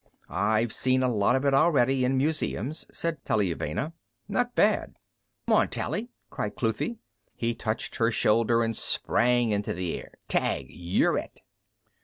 "I've seen a lot of it already, in museums," said Taliuvenna. "Not bad." "C'mon, Tally," cried Cluthe. He touched her shoulder and sprang into the air. "Tag! You're it!"